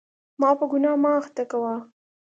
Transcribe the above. ما په ګناه مه اخته کوه.